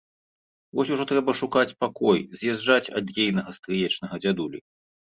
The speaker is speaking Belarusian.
Вось ужо трэба шукаць пакой, з'язджаць ад ейнага стрыечнага дзядулі.